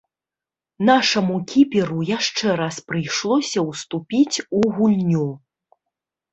Нашаму кіперу яшчэ раз прыйшлося ўступіць у гульню.